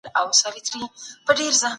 جنګياليو ته د زړورتيا درس ورکول کيده.